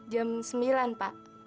jam sembilan pak